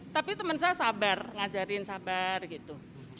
tapi teman saya sabar ngajarin sabar gitu